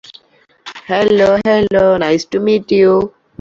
তিনি গাইবান্ধা জেলা বারের সভাপতি ও সাধারণ সম্পাদক ছিলেন।